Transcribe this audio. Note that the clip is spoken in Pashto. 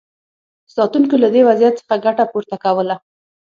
ساتونکو له دې وضعیت څخه ګټه پورته کوله.